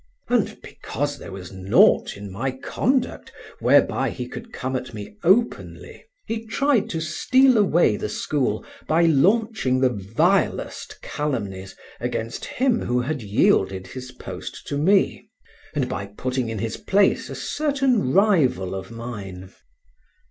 And because there was nought in my conduct whereby he could come at me openly, he tried to steal away the school by launching the vilest calumnies against him who had yielded his post to me, and by putting in his place a certain rival of mine.